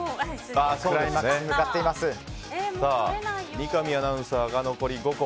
三上アナウンサーは残り５個。